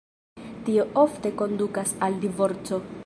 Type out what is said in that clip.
Tio ofte kondukas al divorco.